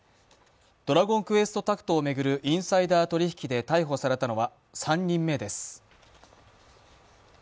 「ドラゴンクエストタクト」を巡るインサイダー取引で逮捕されたのは３人目です。